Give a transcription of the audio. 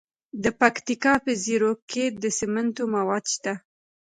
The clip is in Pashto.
د پکتیکا په زیروک کې د سمنټو مواد شته.